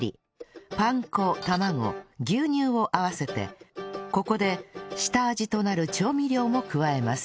パン粉卵牛乳を合わせてここで下味となる調味料も加えます